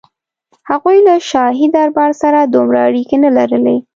هغوی له شاهي دربار سره دومره اړیکې نه لرلې.